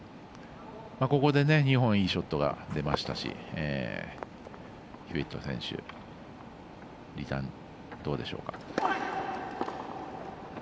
ここで２本いいショットが出ましたしヒューウェット選手リターン、どうでしょうか。